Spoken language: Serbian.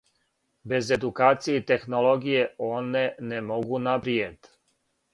Без едукације и технологије, оне не могу напријед.